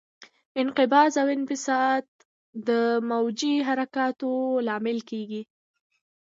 انقباض او انبساط د موجي حرکاتو لامل کېږي.